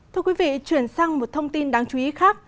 thưa quý vị chuyển sang một thông tin đáng chú ý khác